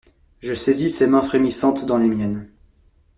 Je saisis ses mains frémissantes dans les miennes.